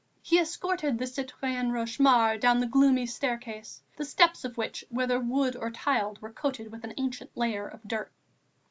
He escorted the citoyenne Rochemaure down the gloomy staircase, the steps of which, whether of wood or tiled, were coated with an ancient layer of dirt.